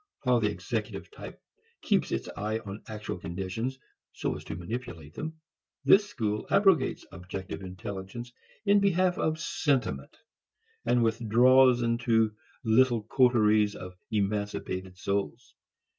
While the executive type keeps its eyes on actual conditions so as to manipulate them, this school abrogates objective intelligence in behalf of sentiment, and withdraws into little coteries of emancipated souls.